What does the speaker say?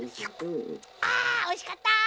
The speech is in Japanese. あおいしかった！